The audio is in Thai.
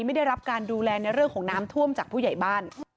ไม่ได้รับการดูแลในเรื่องของน้ำท่วมจากผู้ใหญ่บ้าน